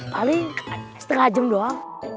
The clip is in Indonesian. paling setengah jam doang